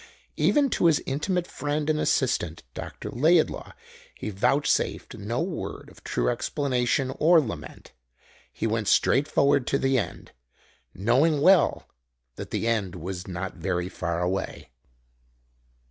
Even to his intimate friend and assistant, Dr. Laidlaw, he vouchsafed no word of true explanation or lament. He went straight forward to the end, knowing well that the end was not very far away.